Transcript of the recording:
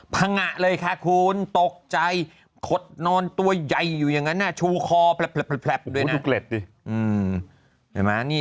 พังงะเลยวะคุณตกใจ